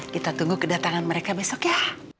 kita tunggu kedatangan mereka besok ya